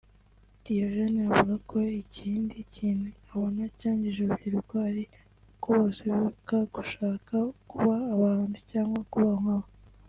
Diogene avuga ko ikindi kintu abona cyangije urubyiruko ari uko bose birukira gushaka kuba abahanzi cyangwa kubaho nkabo